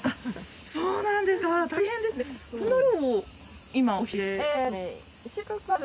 そうなんですか大変ですね。